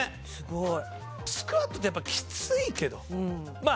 スクワットってやっぱきついけどまあ